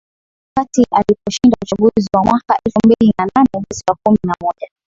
Wakati aliposhinda uchaguzi wa mwaka elfu mbili na nane mwezi wa kumi na moja